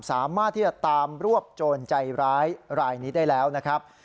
สามารถที่จะตามรวบโจรใจร้ายรายนี้ได้แล้วนะครับ